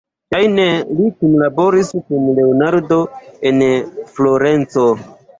Ŝajne li kunlaboris kun Leonardo en Florenco.